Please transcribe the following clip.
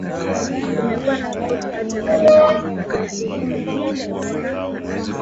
kumekuwa na tofauti kati ya kabila hili na kabila hili huko hali ikoje hasa